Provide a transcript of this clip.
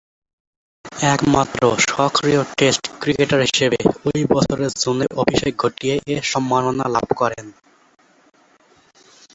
একমাত্র সক্রিয় test cricketer হিসেবে ঐ বছরের জুনে অভিষেক ঘটিয়ে এ সম্মাননা লাভ করেন।